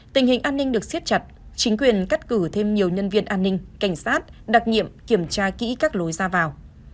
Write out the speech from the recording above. tình hình an ninh được siết chặt chính quyền cắt cử thêm nhiều nhân viên an ninh cảnh sát đặc nhiệm kiểm tra kỹ các lối ra vào